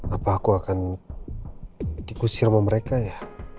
apa aku akan dikusi sama mereka ya